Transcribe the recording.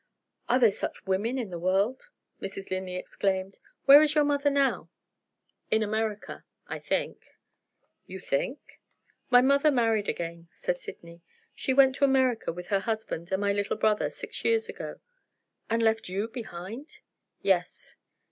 "Are there such women in the world!" Mrs. Linley exclaimed. "Where is your mother now?" "In America I think." "You think?" "My mother married again," said Sydney. "She went to America with her husband and my little brother, six years ago." "And left you behind?" "Yes."